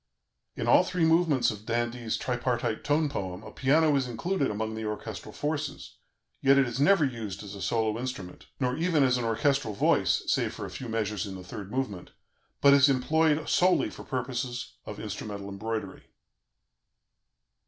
In all three movements of d'Indy's tripartite tone poem a piano is included among the orchestral forces; yet it is never used as a solo instrument, nor even as an orchestral voice (save for a few measures in the third movement), but is employed solely for purposes of instrumental embroidery.